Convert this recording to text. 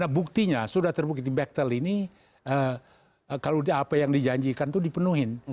nah buktinya sudah terbukti bechtel ini kalau dia apa yang dijanjikan itu dipenuhin